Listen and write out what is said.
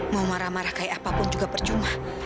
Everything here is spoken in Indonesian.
mau marah marah kayak apapun juga percuma